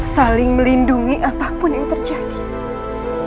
saling melindungi apapun yang terjadi di dalam istana ini